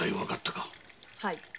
はい。